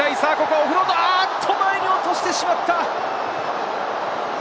オフロード、前に落としてしまった。